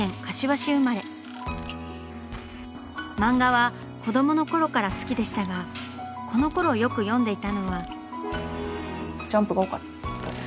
漫画は子供のころから好きでしたがこのころよく読んでいたのは。